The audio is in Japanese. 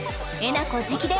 なこ直伝